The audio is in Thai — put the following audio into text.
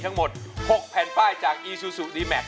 เพราะว่าปุ๋ยก็คงไม่เท่าไหร่ไม่กี่พัน